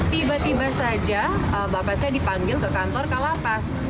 tiba tiba saja bapak saya dipanggil ke kantor kalapas